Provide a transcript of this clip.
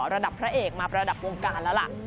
ระดับพระเอกมาประดับวงการแล้วล่ะ